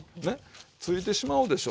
ついてしまうでしょ。